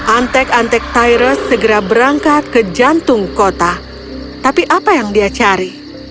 antek antek tyrus segera berangkat ke jantung kota tapi apa yang dia cari